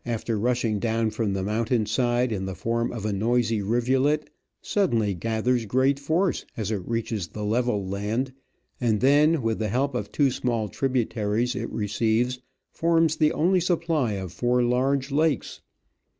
after rushing down from the mountain side in the form of a noisy rivulet, suddenly gathers great force as it reaches the level land, and then, with the help of two small tribu taries it receives, forms the only supply of four large lakes.